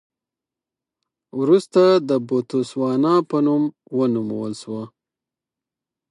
وروسته د بوتسوانا په نوم ونومول شول.